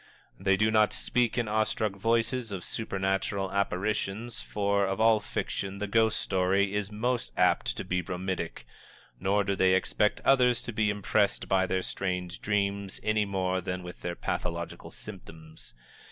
They do not speak in awe struck voices of supernatural apparitions, for of all fiction the ghost story is most apt to be bromidic, nor do they expect others to be impressed by their strange dreams any more than with their pathological symptoms.